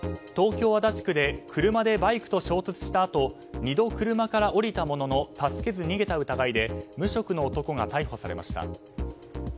東京・足立区で車でバイクと衝突したあと２度、車から降りたものの助けず逃げた疑いで無職の男が逮捕されました。